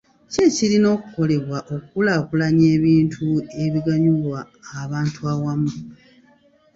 Ki ekirina okukolebwa okukulaakulanya ebintu ebiganyulwa abantu awamu.